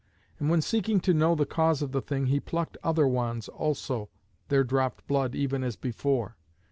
And when seeking to know the cause of the thing he plucked other wands also, there dropped blood even as before.